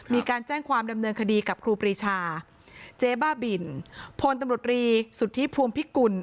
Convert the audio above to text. มีการแจ้งความดำเนินคดีกับครูปรีชาเจ๊บ้าบินพลตำรวจรีสุทธิพวงพิกุล